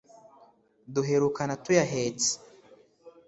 duherukana tuyahetse